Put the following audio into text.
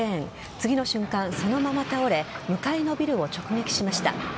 次の瞬間、そのまま倒れ向かいのビルを直撃しました。